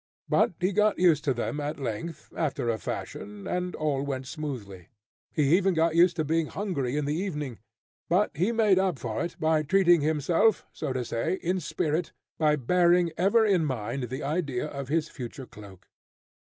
But he got used to them at length, after a fashion, and all went smoothly. He even got used to being hungry in the evening, but he made up for it by treating himself, so to say, in spirit, by bearing ever in mind the idea of his future cloak.